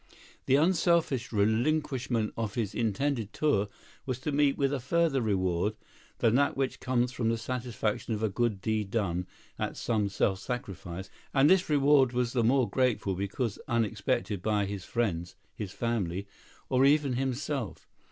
The unselfish relinquishment of his intended tour was to meet with a further reward than that which comes from the satisfaction of a good deed done at some self sacrifice, and this reward was the more grateful because unexpected by his friends, his family, or even himself.